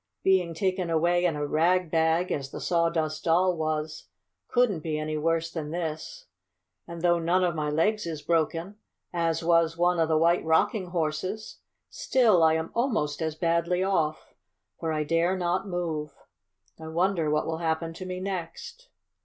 "Being taken away in a rag bag, as the Sawdust Doll was, couldn't be any worse than this. And though none of my legs is broken, as was one of the White Rocking Horse's, still I am almost as badly off, for I dare not move. I wonder what will happen to me next!"